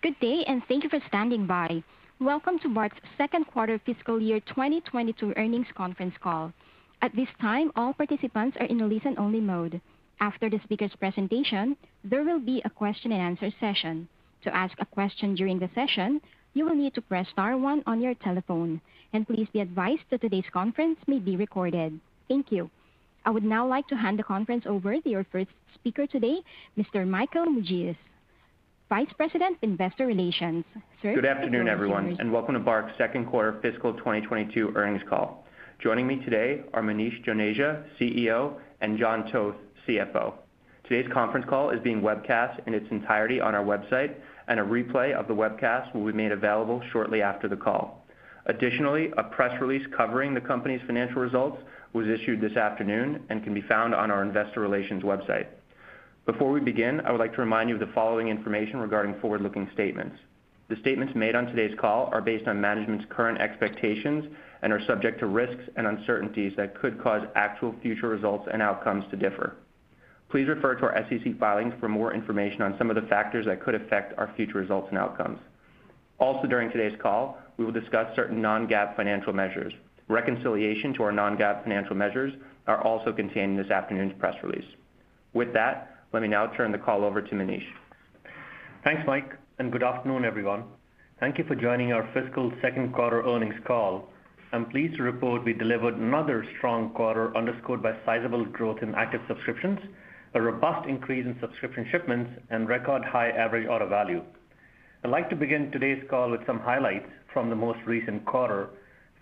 Good day, and thank you for standing by. Welcome to BARK's second quarter fiscal year 2022 earnings conference call. At this time, all participants are in a listen-only mode. After the speaker's presentation, there will be a question-and-answer session. To ask a question during the session, you will need to press star one on your telephone. Please be advised that today's conference may be recorded. Thank you. I would now like to hand the conference over to your first speaker today, Mr. Michael Mougias, Vice President of Investor Relations. Sir. Good afternoon, everyone, and welcome to BARK's second quarter fiscal 2022 earnings call. Joining me today are Manish Joneja, CEO, and John Toth, CFO. Today's conference call is being webcast in its entirety on our website, and a replay of the webcast will be made available shortly after the call. Additionally, a press release covering the company's financial results was issued this afternoon and can be found on our Investor Relations website. Before we begin, I would like to remind you of the following information regarding forward-looking statements. The statements made on today's call are based on management's current expectations and are subject to risks and uncertainties that could cause actual future results and outcomes to differ. Please refer to our SEC filings for more information on some of the factors that could affect our future results and outcomes. Also, during today's call, we will discuss certain non-GAAP financial measures. Reconciliation to our non-GAAP financial measures are also contained in this afternoon's press release. With that, let me now turn the call over to Manish. Thanks, Mike, and good afternoon, everyone. Thank you for joining our fiscal second quarter earnings call. I'm pleased to report we delivered another strong quarter underscored by sizable growth in active subscriptions, a robust increase in subscription shipments, and record high average order value. I'd like to begin today's call with some highlights from the most recent quarter,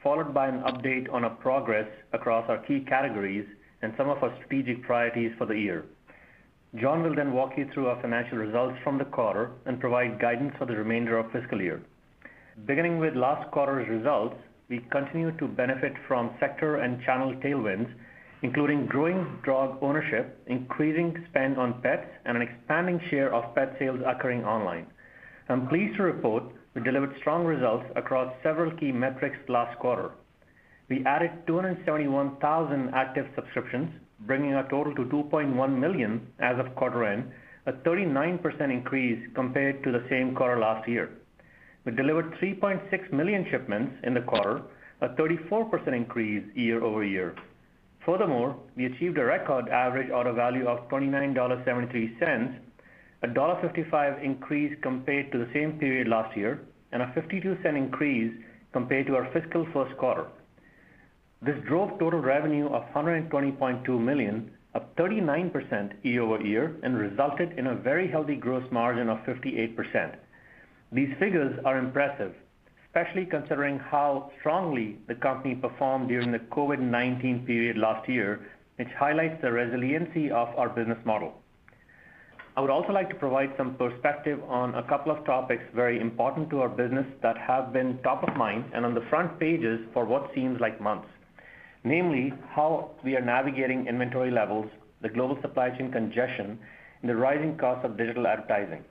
followed by an update on our progress across our key categories and some of our strategic priorities for the year. John will then walk you through our financial results from the quarter and provide guidance for the remainder of fiscal year. Beginning with last quarter's results, we continue to benefit from sector and channel tailwinds, including growing dog ownership, increasing spend on pets, and an expanding share of pet sales occurring online. I'm pleased to report we delivered strong results across several key metrics last quarter. We added 271,000 active subscriptions, bringing our total to 2.1 million as of quarter end, a 39% increase compared to the same quarter last year. We delivered 3.6 million shipments in the quarter, a 34% increase year-over-year. Furthermore, we achieved a record average order value of $29.73, a $1.55 increase compared to the same period last year, and a $0.52 increase compared to our fiscal first quarter. This drove total revenue of $120.2 million, up 39% year-over-year, and resulted in a very healthy gross margin of 58%. These figures are impressive, especially considering how strongly the company performed during the COVID-19 period last year, which highlights the resiliency of our business model. I would also like to provide some perspective on a couple of topics very important to our business that have been top of mind and on the front pages for what seems like months. Namely, how we are navigating inventory levels, the global supply chain congestion, and the rising cost of digital advertising.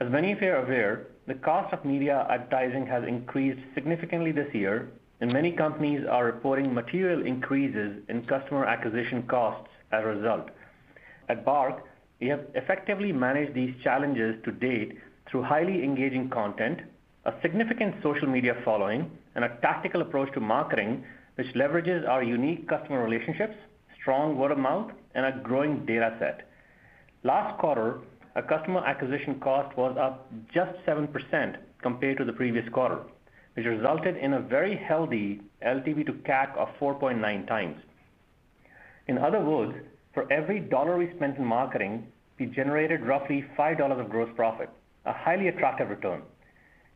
As many of you are aware, the cost of media advertising has increased significantly this year, and many companies are reporting material increases in customer acquisition costs as a result. At BARK, we have effectively managed these challenges to date through highly engaging content, a significant social media following, and a tactical approach to marketing, which leverages our unique customer relationships, strong word of mouth, and a growing data set. Last quarter, our customer acquisition cost was up just 7% compared to the previous quarter, which resulted in a very healthy LTV to CAC of 4.9x. In other words, for every dollar we spent in marketing, we generated roughly $5 of gross profit, a highly attractive return.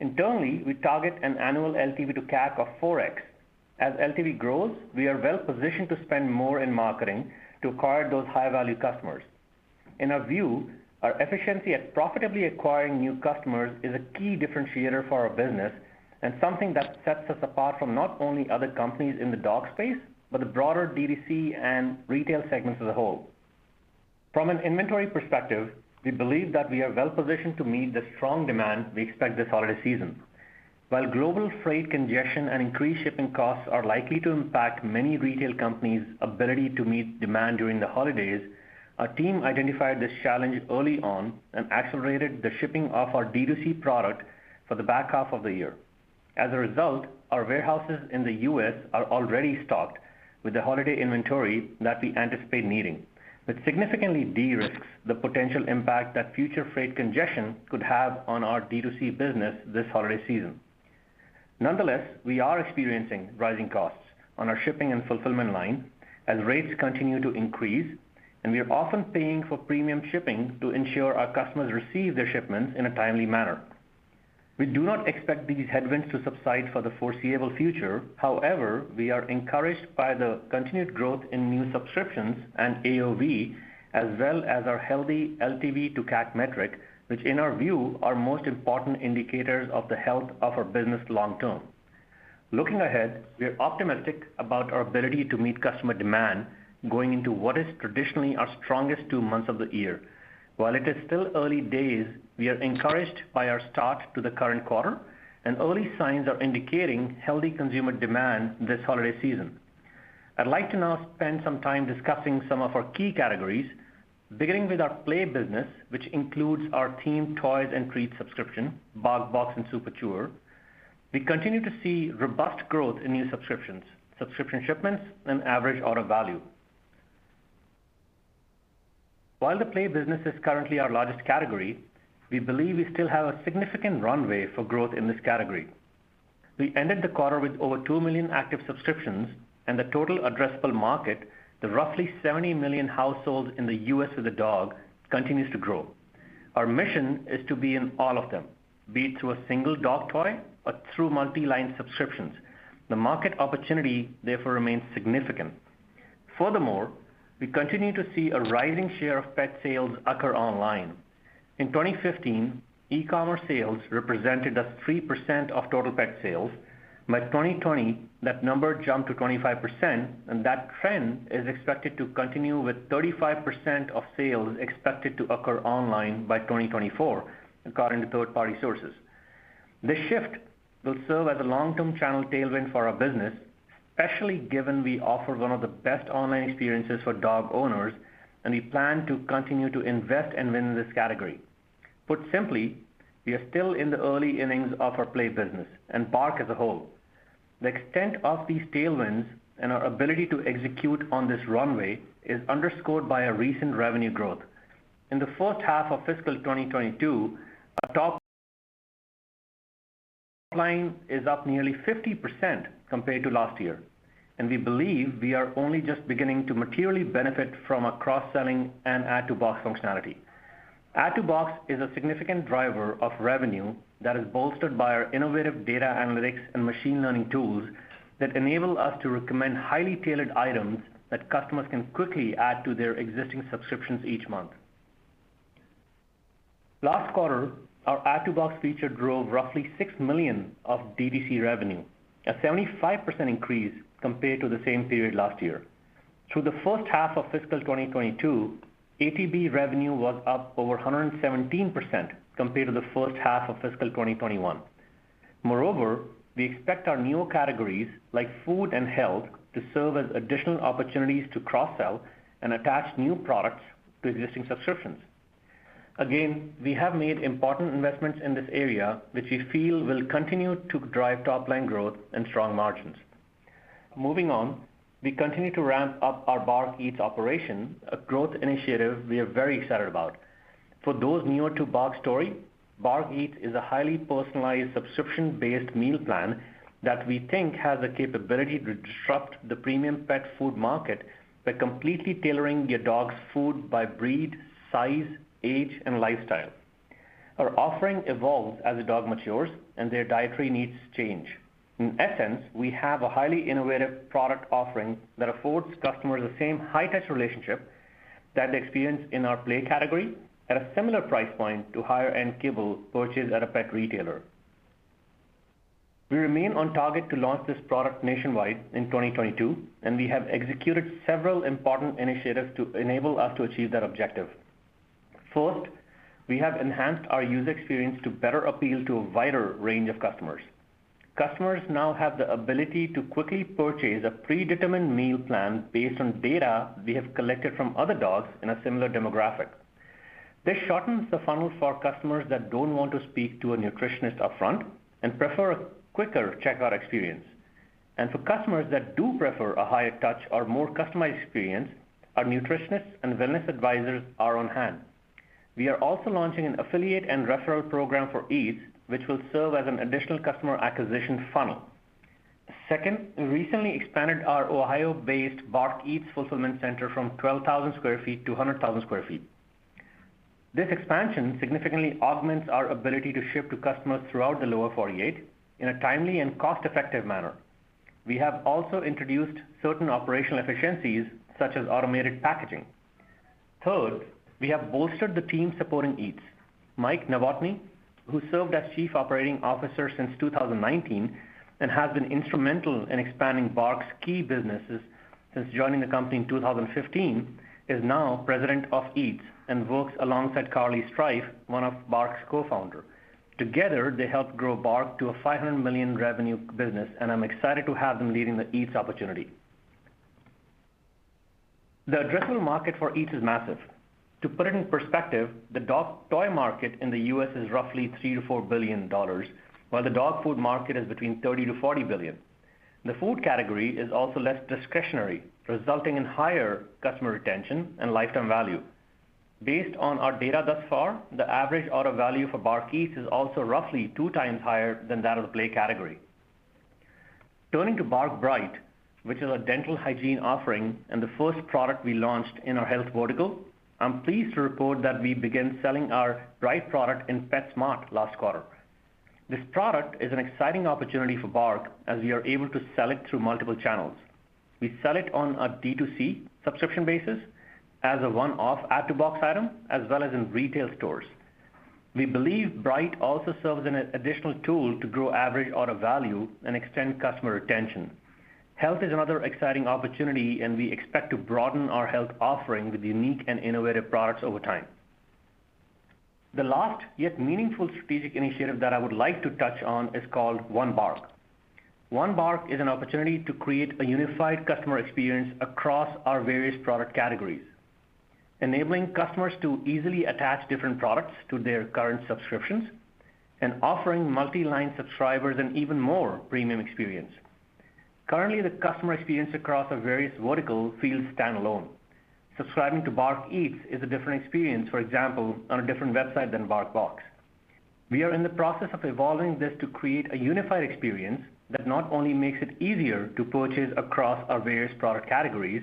Internally, we target an annual LTV to CAC of 4x. As LTV grows, we are well-positioned to spend more in marketing to acquire those high-value customers. In our view, our efficiency at profitably acquiring new customers is a key differentiator for our business and something that sets us apart from not only other companies in the dog space, but the broader D2C and retail segments as a whole. From an inventory perspective, we believe that we are well positioned to meet the strong demand we expect this holiday season. While global freight congestion and increased shipping costs are likely to impact many retail companies' ability to meet demand during the holidays, our team identified this challenge early on and accelerated the shipping of our D2C product for the back half of the year. As a result, our warehouses in the U.S. are already stocked with the holiday inventory that we anticipate needing, which significantly de-risks the potential impact that future freight congestion could have on our D2C business this holiday season. Nonetheless, we are experiencing rising costs on our shipping and fulfillment line as rates continue to increase, and we are often paying for premium shipping to ensure our customers receive their shipments in a timely manner. We do not expect these headwinds to subside for the foreseeable future. However, we are encouraged by the continued growth in new subscriptions and AOV, as well as our healthy LTV to CAC metric, which in our view are most important indicators of the health of our business long term. Looking ahead, we are optimistic about our ability to meet customer demand going into what is traditionally our strongest two months of the year. While it is still early days, we are encouraged by our start to the current quarter and early signs are indicating healthy consumer demand this holiday season. I'd like to now spend some time discussing some of our key categories, beginning with our Play business, which includes our themed toys and treats subscription, BarkBox, and Super Chewer. We continue to see robust growth in new subscriptions, subscription shipments, and average order value. While the Play business is currently our largest category, we believe we still have a significant runway for growth in this category. We ended the quarter with over 2 million active subscriptions and the total addressable market to roughly 70 million households in the U.S. with a dog continues to grow. Our mission is to be in all of them, be it through a single dog toy or through multi-line subscriptions. The market opportunity therefore remains significant. Furthermore, we continue to see a rising share of pet sales occur online. In 2015, e-commerce sales represented 3% of total pet sales. By 2020, that number jumped to 25%, and that trend is expected to continue with 35% of sales expected to occur online by 2024, according to third-party sources. This shift will serve as a long-term channel tailwind for our business, especially given we offer one of the best online experiences for dog owners and we plan to continue to invest and win in this category. Put simply, we are still in the early innings of our Play business and BARK as a whole. The extent of these tailwinds and our ability to execute on this runway is underscored by our recent revenue growth. In the first half of fiscal 2022, our top line is up nearly 50% compared to last year, and we believe we are only just beginning to materially benefit from our cross-selling and Add to Box functionality. Add to Box is a significant driver of revenue that is bolstered by our innovative data analytics and machine learning tools that enable us to recommend highly tailored items that customers can quickly add to their existing subscriptions each month. Last quarter, our Add to Box feature drove roughly $6 million of DTC revenue, a 75% increase compared to the same period last year. Through the first half of fiscal 2022, ATB revenue was up over 117% compared to the first half of fiscal 2021. Moreover, we expect our newer categories like food and health to serve as additional opportunities to cross-sell and attach new products to existing subscriptions. Again, we have made important investments in this area, which we feel will continue to drive top line growth and strong margins. Moving on, we continue to ramp up our BARK Eats operation, a growth initiative we are very excited about. For those newer to BARK's story, BARK Eats is a highly personalized subscription-based meal plan that we think has the capability to disrupt the premium pet food market by completely tailoring your dog's food by breed, size, age, and lifestyle. Our offering evolves as the dog matures and their dietary needs change. In essence, we have a highly innovative product offering that affords customers the same high-touch relationship that they experience in our Play category at a similar price point to higher-end kibble purchased at a pet retailer. We remain on target to launch this product nationwide in 2022, and we have executed several important initiatives to enable us to achieve that objective. First, we have enhanced our user experience to better appeal to a wider range of customers. Customers now have the ability to quickly purchase a predetermined meal plan based on data we have collected from other dogs in a similar demographic. This shortens the funnel for customers that don't want to speak to a nutritionist upfront and prefer a quicker checkout experience. For customers that do prefer a higher touch or more customized experience, our nutritionists and wellness advisors are on hand. We are also launching an affiliate and referral program for Eats, which will serve as an additional customer acquisition funnel. Second, we recently expanded our Ohio-based BARK Eats fulfillment center from 12,000 sq ft to 100,000 sq ft. This expansion significantly augments our ability to ship to customers throughout the Lower 48 in a timely and cost-effective manner. We have also introduced certain operational efficiencies, such as automated packaging. Third, we have bolstered the team supporting Eats. Mike Novotny, who served as chief operating officer since 2019 and has been instrumental in expanding BARK's key businesses since joining the company in 2015, is now president of Eats and works alongside Carly Strife, one of BARK's Co-Founder. Together, they helped grow BARK to a $500 million revenue business, and I'm excited to have them leading the Eats opportunity. The addressable market for Eats is massive. To put it in perspective, the dog toy market in the U.S. is roughly $3 billion-$4 billion, while the dog food market is between $30 billion-$40 billion. The Food category is also less discretionary, resulting in higher customer retention and lifetime value. Based on our data thus far, the average order value for BARK Eats is also roughly 2x higher than that of the Play category. Turning to BARK Bright, which is our dental hygiene offering and the first product we launched in our health vertical, I'm pleased to report that we began selling our BARK Bright product in PetSmart last quarter. This product is an exciting opportunity for BARK as we are able to sell it through multiple channels. We sell it on a D2C subscription basis as a one-off Add to Box item as well as in retail stores. We believe Bright also serves an additional tool to grow average order value and extend customer retention. Health is another exciting opportunity, and we expect to broaden our health offering with unique and innovative products over time. The last yet meaningful strategic initiative that I would like to touch on is called One BARK. One BARK is an opportunity to create a unified customer experience across our various product categories, enabling customers to easily attach different products to their current subscriptions and offering multi-line subscribers an even more premium experience. Currently, the customer experience across our various vertical feels standalone. Subscribing to BARK Eats is a different experience, for example, on a different website than BarkBox. We are in the process of evolving this to create a unified experience that not only makes it easier to purchase across our various product categories,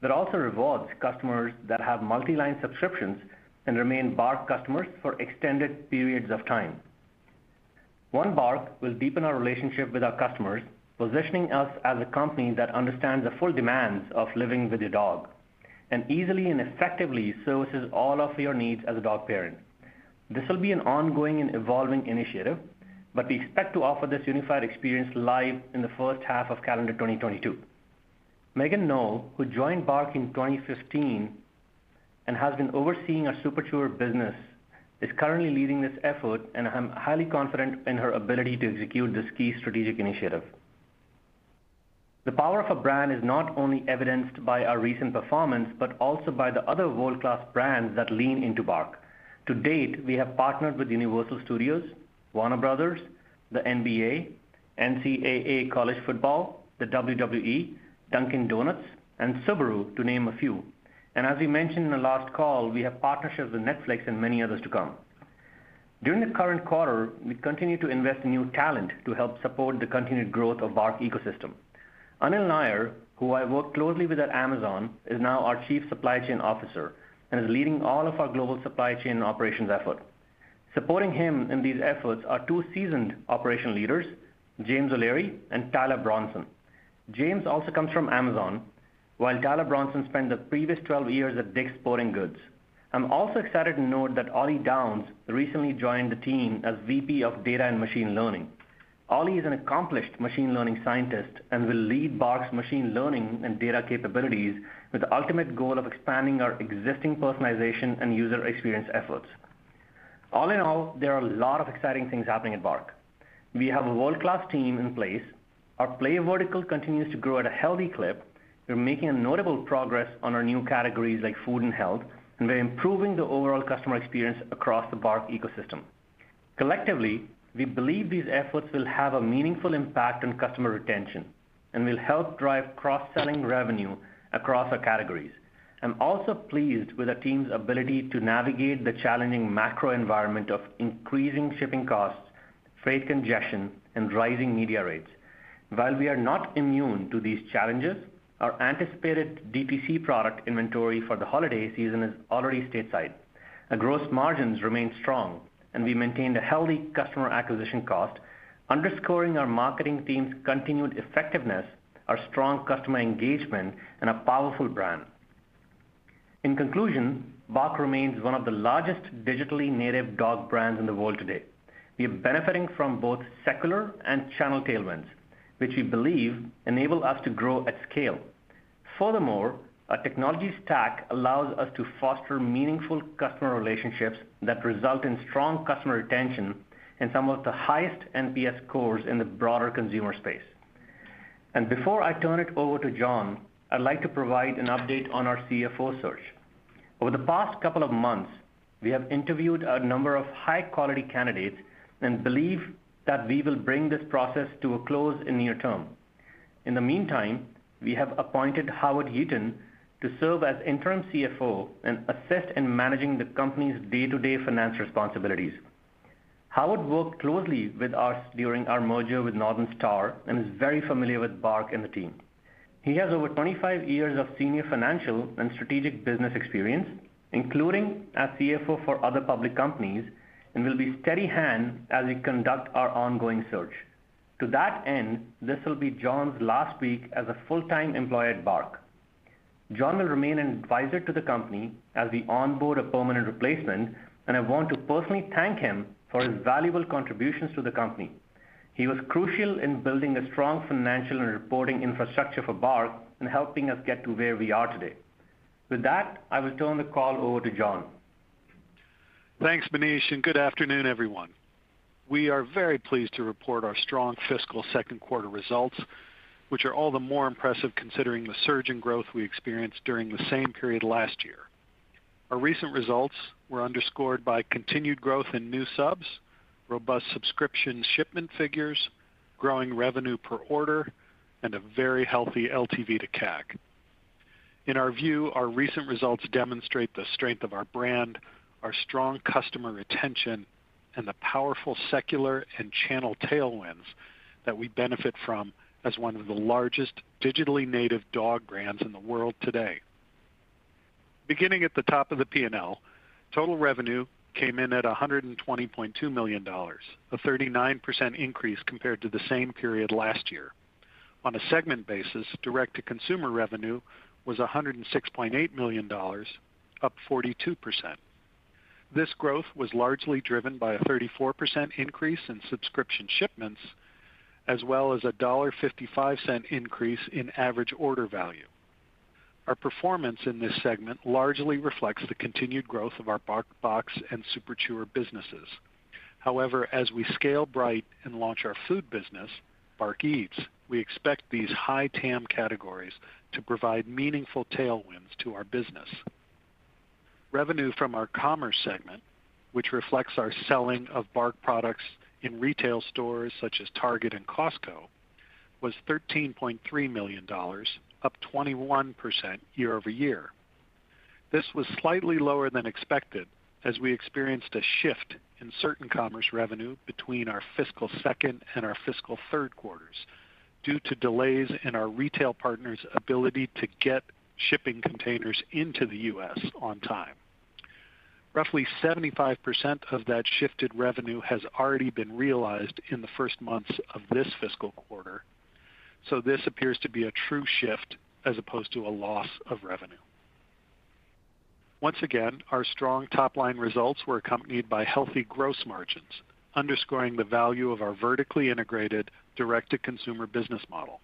but also rewards customers that have multi-line subscriptions and remain Bark customers for extended periods of time. One BARK will deepen our relationship with our customers, positioning us as a company that understands the full demands of living with a dog and easily and effectively services all of your needs as a dog parent. This will be an ongoing and evolving initiative, but we expect to offer this unified experience live in the first half of calendar 2022. Meghan Knoll, who joined BARK in 2015 and has been overseeing our Super Chewer business, is currently leading this effort, and I'm highly confident in her ability to execute this key strategic initiative. The power of a brand is not only evidenced by our recent performance, but also by the other world-class brands that lean into BARK. To date, we have partnered with Universal Studios, Warner Bros., the NBA, NCAA College Football, the WWE, Dunkin' Donuts, and Subaru, to name a few. As we mentioned in the last call, we have partnerships with Netflix and many others to come. During this current quarter, we continue to invest in new talent to help support the continued growth of BARK ecosystem. Anil Nair, who I worked closely with at Amazon, is now our Chief Supply Chain Officer and is leading all of our global supply chain and operations effort. Supporting him in these efforts are two seasoned operational leaders, James O'Leary and Tyler Bronson. James also comes from Amazon, while Tyler Bronson spent the previous 12 years at DICK'S Sporting Goods. I'm also excited to note that Olly Downs recently joined the team as VP of Data and Machine Learning. Olly is an accomplished machine learning scientist and will lead BARK's machine learning and data capabilities with the ultimate goal of expanding our existing personalization and user experience efforts. All in all, there are a lot of exciting things happening at BARK. We have a world-class team in place. Our play vertical continues to grow at a healthy clip. We're making notable progress on our new categories like food and health, and we're improving the overall customer experience across the BARK ecosystem. Collectively, we believe these efforts will have a meaningful impact on customer retention and will help drive cross-selling revenue across our categories. I'm also pleased with the team's ability to navigate the challenging macro environment of increasing shipping costs, freight congestion, and rising media rates. While we are not immune to these challenges, our anticipated DTC product inventory for the holiday season is already stateside. Our gross margins remain strong, and we maintained a healthy customer acquisition cost, underscoring our marketing team's continued effectiveness, our strong customer engagement, and a powerful brand. In conclusion, BARK remains one of the largest digitally native dog brands in the world today. We are benefiting from both secular and channel tailwinds, which we believe enable us to grow at scale. Furthermore, our technology stack allows us to foster meaningful customer relationships that result in strong customer retention and some of the highest NPS scores in the broader consumer space. Before I turn it over to John, I'd like to provide an update on our CFO search. Over the past couple of months, we have interviewed a number of high-quality candidates and believe that we will bring this process to a close in the near term. In the meantime, we have appointed Howard Heaton to serve as Interim CFO and assist in managing the company's day-to-day finance responsibilities. Howard worked closely with us during our merger with Northern Star and is very familiar with BARK and the team. He has over 25 years of senior financial and strategic business experience, including as CFO for other public companies and will be a steady hand as we conduct our ongoing search. To that end, this will be John's last week as a full-time employee at BARK. John will remain an advisor to the company as we onboard a permanent replacement, and I want to personally thank him for his valuable contributions to the company. He was crucial in building a strong financial and reporting infrastructure for BARK and helping us get to where we are today. With that, I will turn the call over to John. Thanks, Manish, and good afternoon, everyone. We are very pleased to report our strong fiscal second quarter results, which are all the more impressive considering the surge in growth we experienced during the same period last year. Our recent results were underscored by continued growth in new subs, robust subscription shipment figures, growing revenue per order, and a very healthy LTV to CAC. In our view, our recent results demonstrate the strength of our brand, our strong customer retention, and the powerful secular and channel tailwinds that we benefit from as one of the largest digitally native dog brands in the world today. Beginning at the top of the P&L, total revenue came in at $120.2 million, a 39% increase compared to the same period last year. On a segment basis, direct-to-consumer revenue was $106.8 million, up 42%. This growth was largely driven by a 34% increase in subscription shipments, as well as a $1.55 increase in average order value. Our performance in this segment largely reflects the continued growth of our BarkBox and Super Chewer businesses. However, as we scale BARK Bright and launch our food business, BARK Eats, we expect these high TAM categories to provide meaningful tailwinds to our business. Revenue from our commerce segment, which reflects our selling of BARK products in retail stores such as Target and Costco, was $13.3 million, up 21% year-over-year. This was slightly lower than expected as we experienced a shift in certain commerce revenue between our fiscal second and our fiscal third quarters due to delays in our retail partners' ability to get shipping containers into the U.S. on time. Roughly 75% of that shifted revenue has already been realized in the first months of this fiscal quarter, so this appears to be a true shift as opposed to a loss of revenue. Once again, our strong top-line results were accompanied by healthy gross margins, underscoring the value of our vertically integrated direct-to-consumer business model.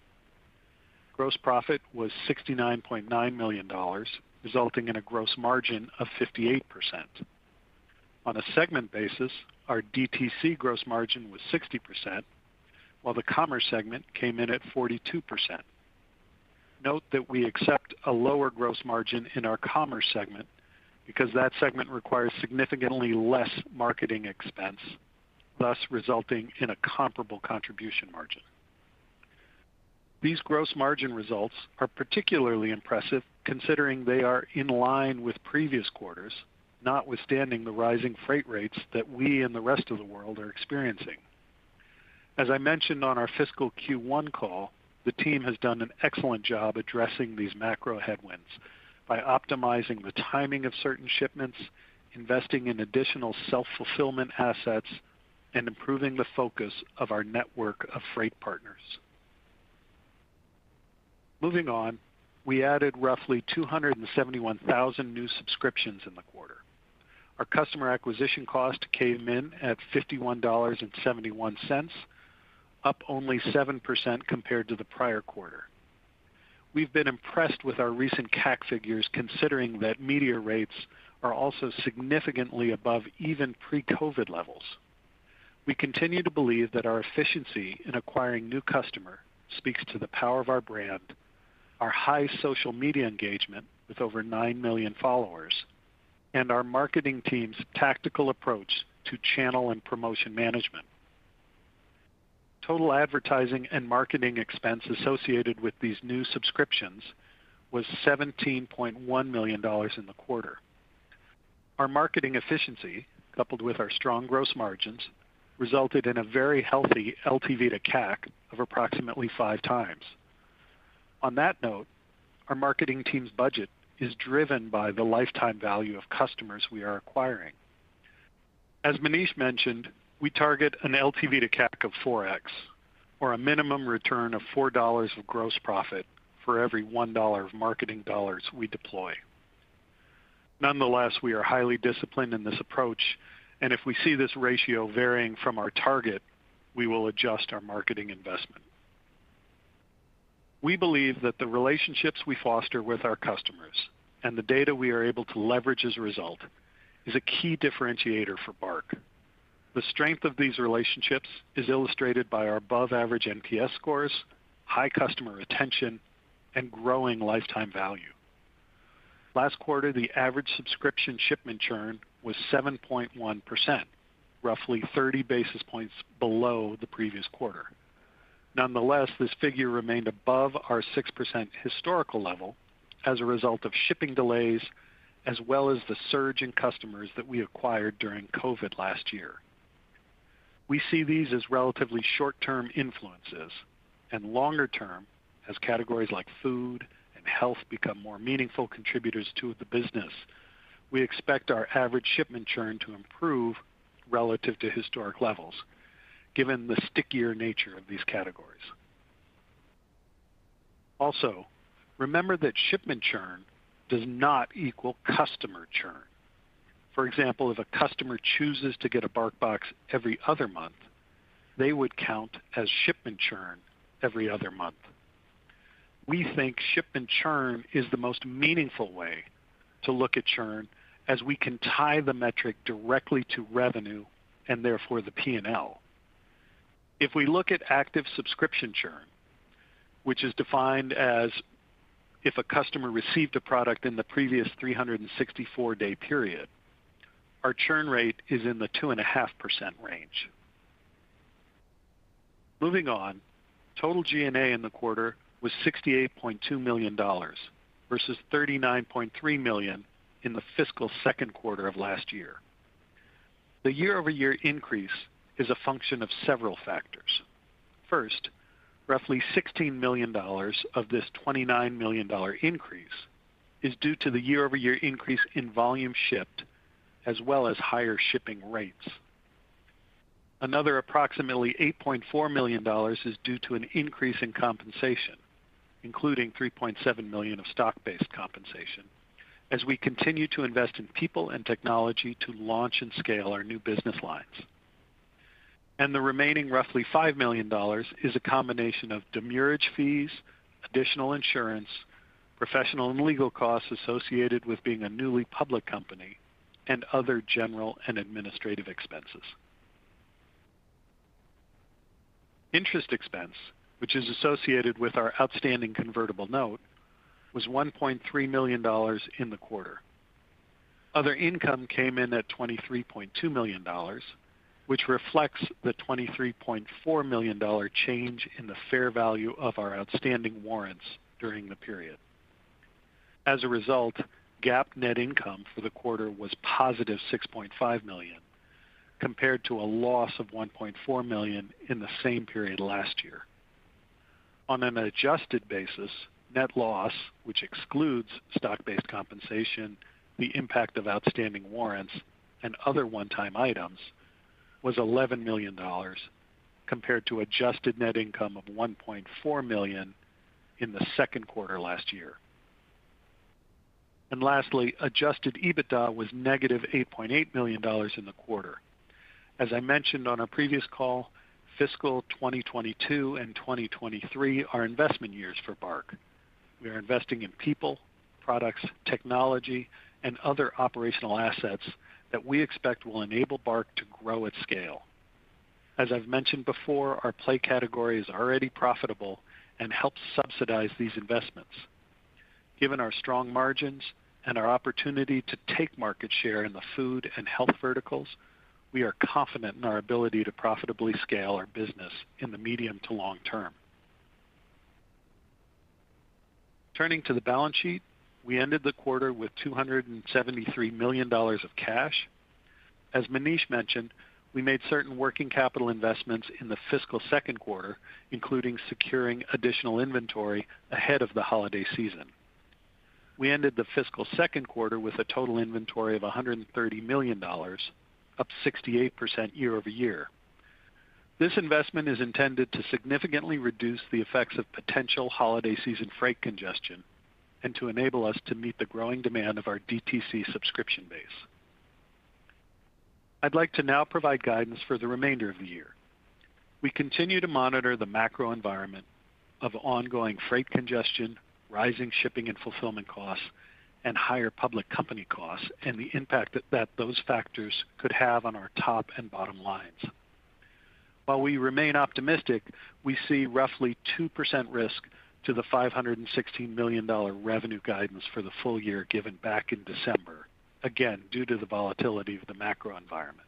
Gross profit was $69.9 million, resulting in a gross margin of 58%. On a segment basis, our DTC gross margin was 60%, while the commerce segment came in at 42%. Note that we accept a lower gross margin in our commerce segment because that segment requires significantly less marketing expense, thus resulting in a comparable contribution margin. These gross margin results are particularly impressive considering they are in line with previous quarters, notwithstanding the rising freight rates that we and the rest of the world are experiencing. As I mentioned on our fiscal Q1 call, the team has done an excellent job addressing these macro headwinds by optimizing the timing of certain shipments, investing in additional self-fulfillment assets, and improving the focus of our network of freight partners. Moving on, we added roughly 271,000 new subscriptions in the quarter. Our customer acquisition cost came in at $51.71, up only 7% compared to the prior quarter. We've been impressed with our recent CAC figures, considering that media rates are also significantly above even pre-COVID levels. We continue to believe that our efficiency in acquiring new customer speaks to the power of our brand, our high social media engagement with over 9 million followers, and our marketing team's tactical approach to channel and promotion management. Total advertising and marketing expense associated with these new subscriptions was $17.1 million in the quarter. Our marketing efficiency, coupled with our strong gross margins, resulted in a very healthy LTV to CAC of approximately 5x. On that note, our marketing team's budget is driven by the lifetime value of customers we are acquiring. As Manish mentioned, we target an LTV to CAC of 4x or a minimum return of $4 of gross profit for every $1 of marketing dollars we deploy. Nonetheless, we are highly disciplined in this approach, and if we see this ratio varying from our target, we will adjust our marketing investment. We believe that the relationships we foster with our customers and the data we are able to leverage as a result is a key differentiator for BARK. The strength of these relationships is illustrated by our above average NPS scores, high customer retention, and growing lifetime value. Last quarter, the average subscription shipment churn was 7.1%, roughly 30 basis points below the previous quarter. Nonetheless, this figure remained above our 6% historical level as a result of shipping delays as well as the surge in customers that we acquired during COVID last year. We see these as relatively short-term influences, and longer term, as categories like food and health become more meaningful contributors to the business, we expect our average shipment churn to improve relative to historic levels, given the stickier nature of these categories. Also, remember that shipment churn does not equal customer churn. For example, if a customer chooses to get a BarkBox every other month, they would count as shipment churn every other month. We think shipment churn is the most meaningful way to look at churn as we can tie the metric directly to revenue and therefore the P&L. If we look at active subscription churn, which is defined as if a customer received a product in the previous 364-day period, our churn rate is in the 2.5% range. Moving on, total G&A in the quarter was $68.2 million versus $39.3 million in the fiscal second quarter of last year. The year-over-year increase is a function of several factors. First, roughly $16 million of this $29 million increase is due to the year-over-year increase in volume shipped as well as higher shipping rates. Another approximately $8.4 million is due to an increase in compensation, including $3.7 million of stock-based compensation as we continue to invest in people and technology to launch and scale our new business lines. The remaining roughly $5 million is a combination of demurrage fees, additional insurance, professional and legal costs associated with being a newly public company and other general and administrative expenses. Interest expense, which is associated with our outstanding convertible note, was $1.3 million in the quarter. Other income came in at $23.2 million, which reflects the $23.4 million change in the fair value of our outstanding warrants during the period. As a result, GAAP net income for the quarter was $6.5 million, compared to a loss of $1.4 million in the same period last year. On an adjusted basis, net loss, which excludes stock-based compensation, the impact of outstanding warrants and other one-time items, was $11 million compared to adjusted net income of $1.4 million in the second quarter last year. Lastly, adjusted EBITDA was -$8.8 million in the quarter. As I mentioned on our previous call, fiscal 2022 and 2023 are investment years for BARK. We are investing in people, products, technology and other operational assets that we expect will enable BARK to grow at scale. As I've mentioned before, our play category is already profitable and helps subsidize these investments. Given our strong margins and our opportunity to take market share in the food and health verticals, we are confident in our ability to profitably scale our business in the medium to long term. Turning to the balance sheet, we ended the quarter with $273 million of cash. As Manish mentioned, we made certain working capital investments in the fiscal second quarter, including securing additional inventory ahead of the holiday season. We ended the fiscal second quarter with a total inventory of $130 million, up 68% year-over-year. This investment is intended to significantly reduce the effects of potential holiday season freight congestion and to enable us to meet the growing demand of our DTC subscription base. I'd like to now provide guidance for the remainder of the year. We continue to monitor the macro environment of ongoing freight congestion, rising shipping and fulfillment costs, and higher public company costs and the impact that those factors could have on our top and bottom lines. While we remain optimistic, we see roughly 2% risk to the $516 million revenue guidance for the full year given back in December, again, due to the volatility of the macro environment.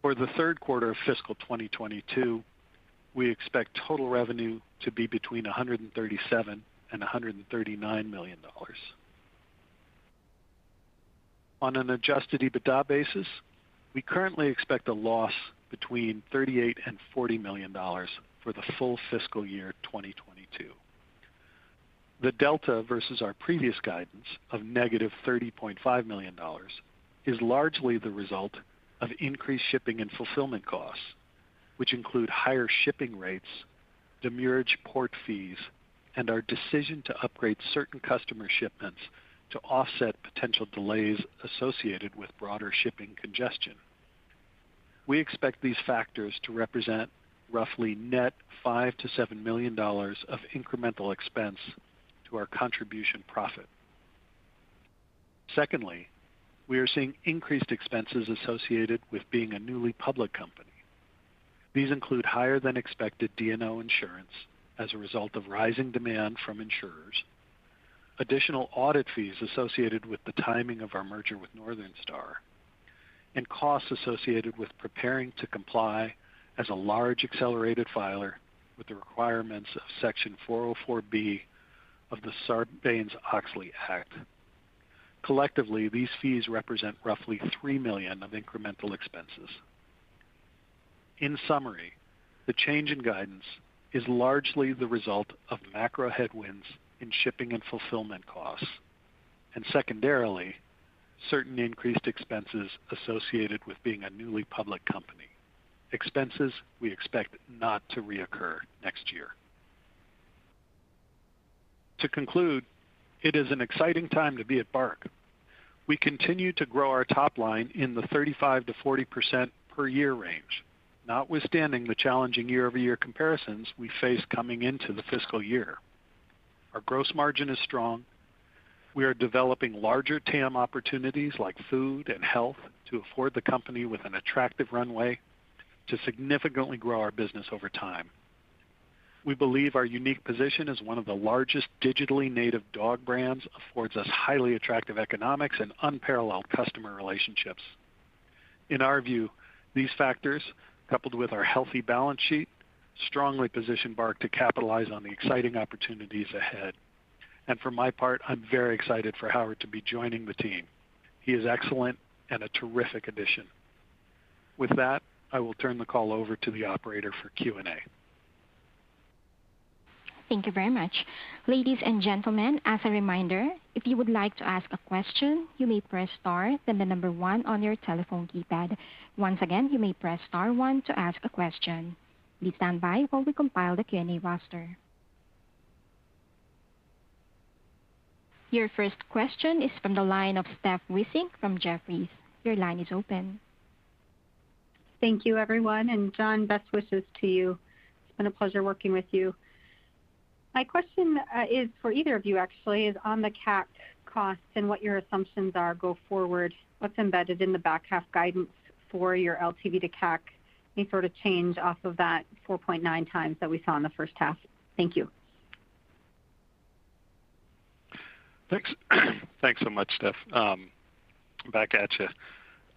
For the third quarter of fiscal 2022, we expect total revenue to be between $137 million and $139 million. On an adjusted EBITDA basis, we currently expect a loss between $38 million and $40 million for the full fiscal year 2022. The delta versus our previous guidance of -$30.5 million is largely the result of increased shipping and fulfillment costs, which include higher shipping rates, demurrage port fees, and our decision to upgrade certain customer shipments to offset potential delays associated with broader shipping congestion. We expect these factors to represent roughly net $5 million-$7 million of incremental expense to our contribution profit. Secondly, we are seeing increased expenses associated with being a newly public company. These include higher than expected D&O insurance as a result of rising demand from insurers, additional audit fees associated with the timing of our merger with Northern Star, and costs associated with preparing to comply as a large accelerated filer with the requirements of Section 404(b) of the Sarbanes-Oxley Act. Collectively, these fees represent roughly $3 million of incremental expenses. In summary, the change in guidance is largely the result of macro headwinds in shipping and fulfillment costs, and secondarily, certain increased expenses associated with being a newly public company, expenses we expect not to reoccur next year. To conclude, it is an exciting time to be at BARK. We continue to grow our top line in the 35%-40% per year range, notwithstanding the challenging year-over-year comparisons we face coming into the fiscal year. Our gross margin is strong. We are developing larger TAM opportunities like food and health to afford the company with an attractive runway to significantly grow our business over time. We believe our unique position as one of the largest digitally native dog brands affords us highly attractive economics and unparalleled customer relationships. In our view, these factors, coupled with our healthy balance sheet, strongly position BARK to capitalize on the exciting opportunities ahead. For my part, I'm very excited for Howard to be joining the team. He is excellent and a terrific addition. With that, I will turn the call over to the operator for Q&A. Thank you very much. Ladies and gentlemen, as a reminder, if you would like to ask a question, you may press star then the number one on your telephone keypad. Once again, you may press star one to ask a question. Please stand by while we compile the Q&A roster. Your first question is from the line of Steph Wissink from Jefferies. Your line is open. Thank you everyone. John, best wishes to you. It's been a pleasure working with you. My question is for either of you actually, is on the CAC costs and what your assumptions are going forward, what's embedded in the back half guidance for your LTV to CAC, any sort of change off of that 4.9x that we saw in the first half? Thank you. Thanks. Thanks so much, Steph. Back at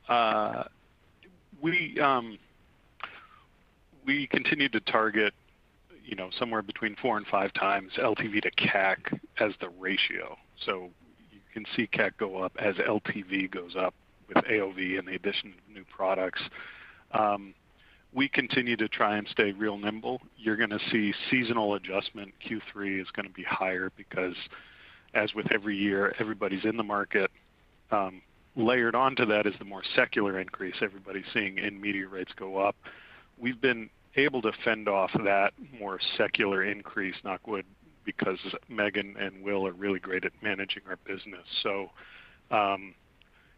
ya. We continue to target, you know, somewhere between 4x and 5x LTV to CAC as the ratio, so you can see CAC go up as LTV goes up with AOV and the addition of new products. We continue to try and stay real nimble. You're gonna see seasonal adjustment. Q3 is gonna be higher because as with every year, everybody's in the market. Layered on to that is the more secular increase everybody's seeing in media rates go up. We've been able to fend off that more secular increase, knock wood, because Megan and Will are really great at managing our business.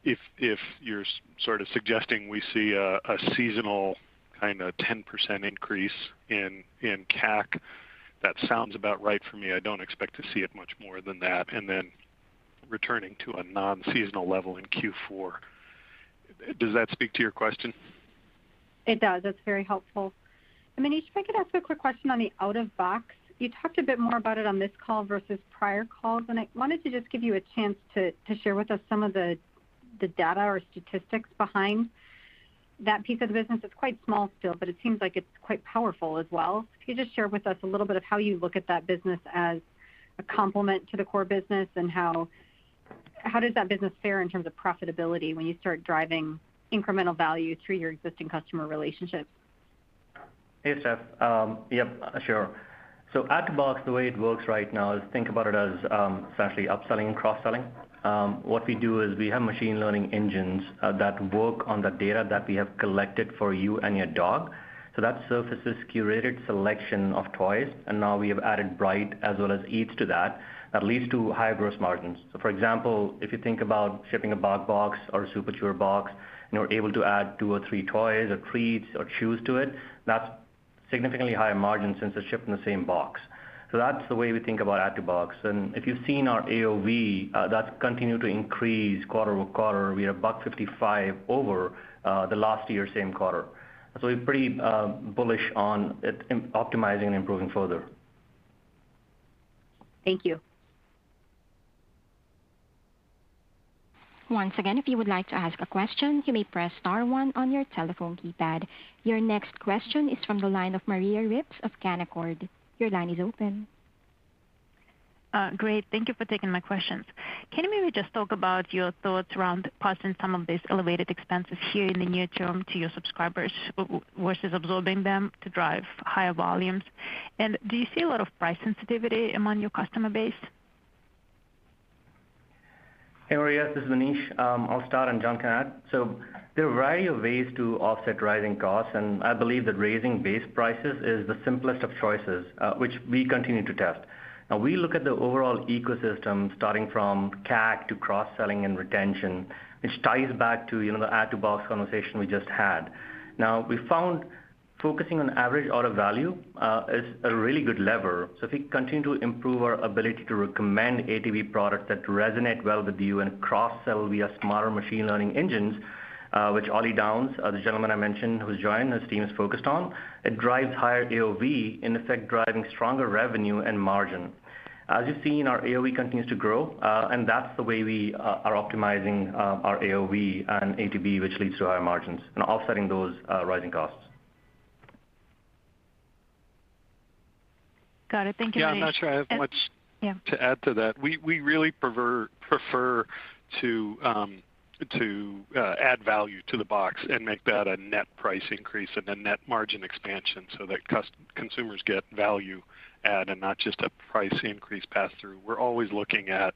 If you're sort of suggesting we see a seasonal kind of 10% increase in CAC, that sounds about right for me. I don't expect to see it much more than that. Returning to a non-seasonal level in Q4. Does that speak to your question? It does. That's very helpful. Manish, if I could ask a quick question on the Add to Box. You talked a bit more about it on this call versus prior calls, and I wanted to just give you a chance to share with us some of the data or statistics behind that piece of the business. It's quite small still, but it seems like it's quite powerful as well. Can you just share with us a little bit of how you look at that business as a complement to the core business and how does that business fare in terms of profitability when you start driving incremental value through your existing customer relationships? Hey, Steph. Yep, sure. Add to Box, the way it works right now is think about it as essentially upselling and cross-selling. What we do is we have machine learning engines that work on the data that we have collected for you and your dog. That surfaces curated selection of toys, and now we have added Bright as well as Eats to that. That leads to higher gross margins. For example, if you think about shipping a box or a Super Chewer box, and you're able to add two or three toys or treats or chews to it, that's significantly higher margin since they're shipped in the same box. That's the way we think about Add to Box. If you've seen our AOV, that's continued to increase quarter-over-quarter. We are about 55% over the last year's same quarter. We're pretty bullish on it, optimizing and improving further. Thank you. Once again, if you would like to ask a question, you may press star one on your telephone keypad. Your next question is from the line of Maria Ripps of Canaccord. Your line is open. Great. Thank you for taking my questions. Can you maybe just talk about your thoughts around passing some of these elevated expenses here in the near term to your subscribers versus absorbing them to drive higher volumes? And do you see a lot of price sensitivity among your customer base? Hey, Maria, this is Manish. I'll start and John can add. There are a variety of ways to offset rising costs, and I believe that raising base prices is the simplest of choices, which we continue to test. Now, we look at the overall ecosystem starting from CAC to cross-selling and retention, which ties back to, you know, the Add to Box conversation we just had. Now, we found focusing on average order value is a really good lever. If we continue to improve our ability to recommend ATB products that resonate well with you and cross-sell via smarter machine learning engines, which Olly Downs, the gentleman I mentioned who's joined us, team is focused on, it drives higher AOV, in effect, driving stronger revenue and margin. As you've seen, our AOV continues to grow, and that's the way we are optimizing our AOV and ATB, which leads to higher margins and offsetting those rising costs. Got it. Thank you, Manish. Yeah, I'm not sure I have much. Yeah. To add to that. We really prefer to add value to the box and make that a net price increase and a net margin expansion so that consumers get value add and not just a price increase pass-through. We're always looking at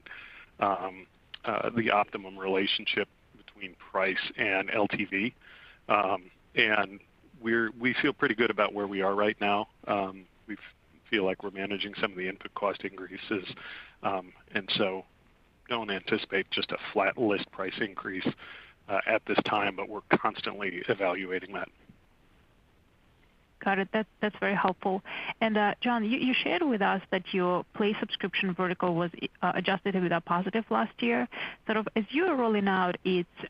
the optimum relationship between price and LTV. We feel pretty good about where we are right now. We feel like we're managing some of the input cost increases. Don't anticipate just a flat list price increase at this time, but we're constantly evaluating that. Got it. That's very helpful. John, you shared with us that your play subscription vertical was adjusted, wasn't positive last year. Sort of as you are rolling it out,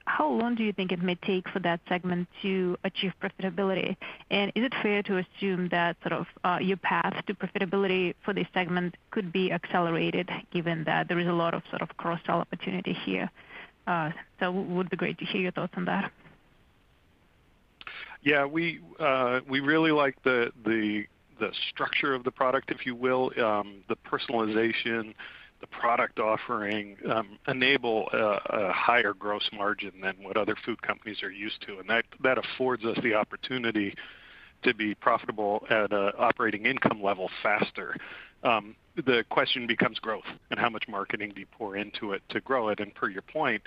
how long do you think it may take for that segment to achieve profitability? Is it fair to assume that sort of your path to profitability for this segment could be accelerated given that there is a lot of sort of cross-sell opportunity here? Would be great to hear your thoughts on that. Yeah, we really like the structure of the product, if you will. The personalization, the product offering, enable a higher gross margin than what other food companies are used to, and that affords us the opportunity to be profitable at an operating income level faster. The question becomes growth and how much marketing do you pour into it to grow it. Per your point,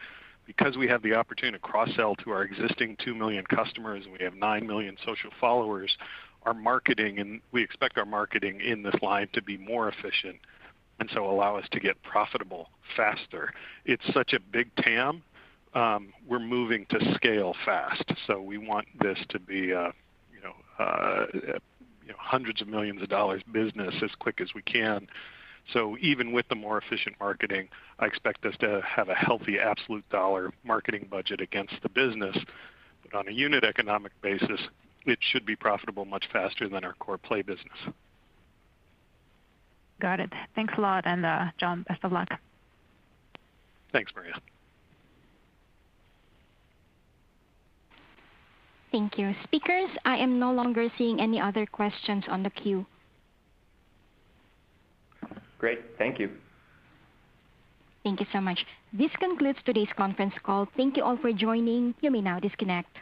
because we have the opportunity to cross-sell to our existing 2 million customers, and we have 9 million social followers, our marketing and we expect our marketing in this line to be more efficient and so allow us to get profitable faster. It's such a big TAM, we're moving to scale fast, so we want this to be a, you know, hundreds of millions of dollars business as quick as we can. Even with the more efficient marketing, I expect us to have a healthy absolute dollar marketing budget against the business. On a unit economic basis, it should be profitable much faster than our core Play business. Got it. Thanks a lot. John, best of luck. Thanks, Maria. Thank you. Speakers, I am no longer seeing any other questions on the queue. Great. Thank you. Thank you so much. This concludes today's conference call. Thank you all for joining. You may now disconnect.